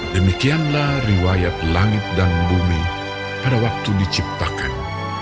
demikianlah riwayat langit dan bumi pada waktu diciptakan